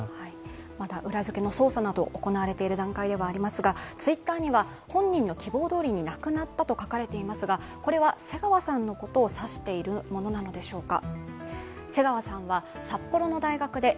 まだ裏づけの捜査などが行われている状況ではありますがＴｗｉｔｔｅｒには本人の希望どおり亡くなったと書かれていますが、これは瀬川さんのことを指しているものなのでしょうか。